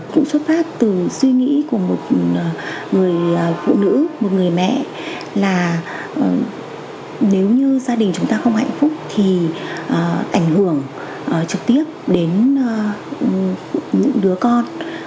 cũng xuất phát từ suy nghĩ của một người phụ nữ một người mẹ là nếu như gia đình chúng ta không hạnh phúc thì ảnh hưởng trực tiếp đến những đứa con